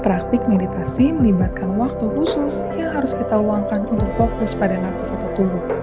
praktik meditasi melibatkan waktu khusus yang harus kita luangkan untuk fokus pada nafas atau tubuh